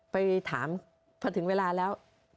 ไปถามพอถึงเวลาแล้ว